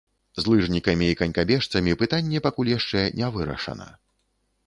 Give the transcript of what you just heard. З лыжнікамі і канькабежцамі пытанне пакуль яшчэ не вырашана.